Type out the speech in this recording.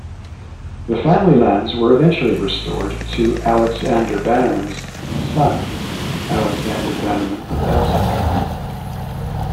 The family lands were eventually restored to Alexander Bannerman's son, Alexander Bannerman of Elsick.